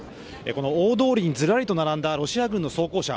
この大通りにずらりと並んだロシア軍の装甲車。